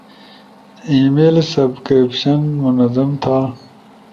ای میل سبکریبشن منظم تھا